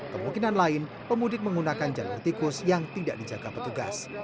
kemungkinan lain pemudik menggunakan jalur tikus yang tidak dijaga petugas